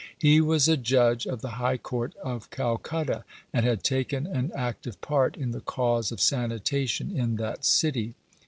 He was a judge of the High Court of Calcutta, and had taken an active part in the cause of sanitation in that city.